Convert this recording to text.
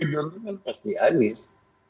diuntungkan pasti anies